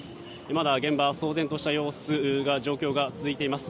まだ現場は騒然とした状況が続いています。